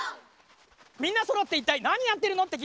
みんなそろっていったいなにやってるの？